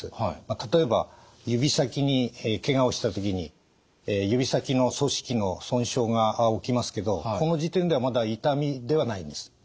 例えば指先にけがをした時に指先の組織の損傷が起きますけどこの時点ではまだ痛みではないんです。